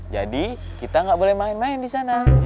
jadi kita nggak boleh main main di sana